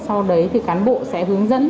sau đấy thì cán bộ sẽ hướng dẫn